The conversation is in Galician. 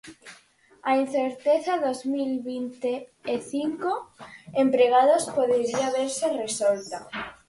A incerteza dos mil vinte e cinco empregados podería verse resolta